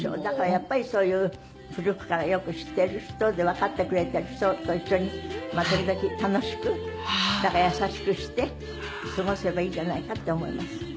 だからやっぱりそういう古くからよく知ってる人でわかってくれてる人と一緒に時々楽しくだから優しくして過ごせばいいじゃないかって思います。